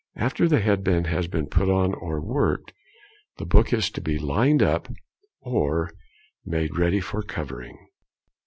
After the head band has been put on or worked, the book is to be "lined up" or "made ready for covering."